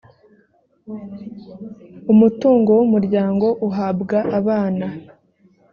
umutungo w ‘umuryango uhabwa abana.